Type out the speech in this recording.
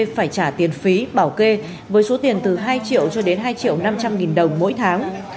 phải trả tiền phí bảo kê với số tiền từ hai triệu cho đến hai triệu năm trăm linh nghìn đồng mỗi tháng